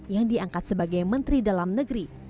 yang diangkat sebagai menteri dalam negeri